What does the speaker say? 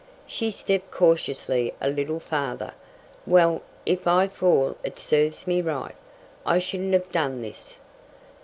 She stepped cautiously a little farther. "Well, if I fall it serves me right. I shouldn't have done this!"